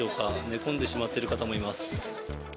寝込んでしまっている方もいます。